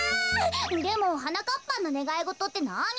でもはなかっぱんのねがいごとってなに？